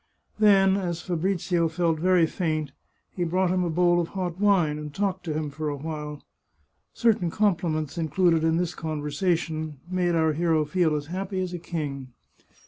Then, as Fabrizio felt very faint, he brought him a bowl of hot wine and talked to him for a while. Certain compli ments included in this conversation made our hero feel as happy as a king.